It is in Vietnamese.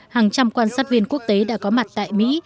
hàng trăm quan sát viên quốc tế đã có mặt tại mỹ